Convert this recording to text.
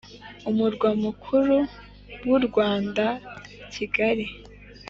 Umurwa Mukuru w u Rwanda Kigali